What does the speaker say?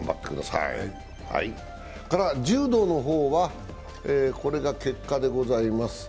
柔道の方は、これが結果でございます。